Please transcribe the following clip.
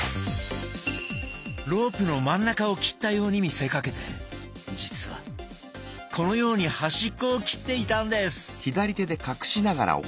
ロープの真ん中を切ったように見せかけて実はこのように端っこを切っていたんです！